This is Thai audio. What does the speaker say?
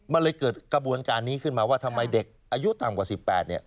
มันเลยเกิดกระบวนการนี้ขึ้นมาว่าทำไมเด็กอายุต่ำกว่า๑๘เนี่ย